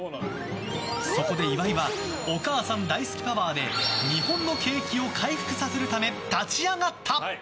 そこで、岩井はお母さん大好きパワーで日本の景気を回復させるため立ち上がった！